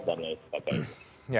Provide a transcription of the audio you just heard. dan lain sebagainya